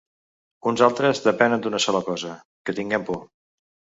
Uns altres depenen d’una sola cosa: que tinguem por.